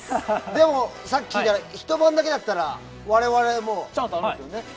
でもさっき聞いたらひと晩だけだったらチャンスあるんですよね？